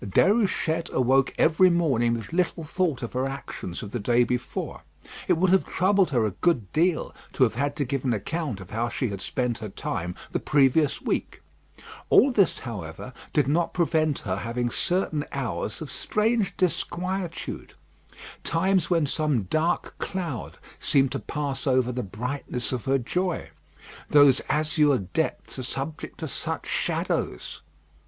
Déruchette awoke every morning with little thought of her actions of the day before. It would have troubled her a good deal to have had to give an account of how she had spent her time the previous week. All this, however, did not prevent her having certain hours of strange disquietude; times when some dark cloud seemed to pass over the brightness of her joy. Those azure depths are subject to such shadows!